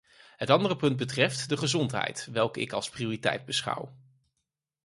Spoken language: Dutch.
Het andere punt betreft de gezondheid, welke ik als prioriteit beschouw.